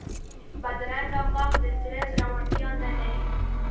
بدرنګه مخ د زړه زړورتیا نه لري